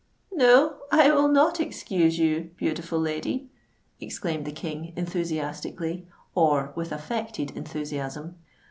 "No—I will not excuse you, beautiful lady," exclaimed the King, enthusiastically—or with affected enthusiasm.